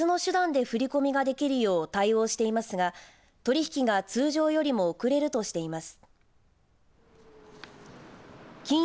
もみじ銀行では別の手段で振り込みができるよう対応していますが取引が通常よりも遅れるとしています。